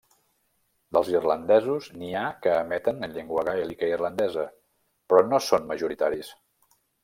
Dels irlandesos n'hi ha que emeten en llengua gaèlica irlandesa però no són majoritaris.